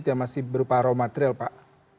yang masih berupa raw material pak